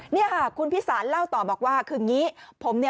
นี่ค่ะคุณพิสารเล่าต่อบอกว่าคืออย่างนี้